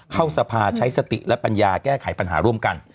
เข้าสภาใช้สติและปัญญาแก้ไขปัญหาร่วมกัน